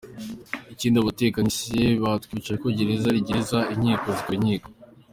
Ikindi abatekinisiye batwibukije ko gereza ari gereza, inkiko zikaba inkiko.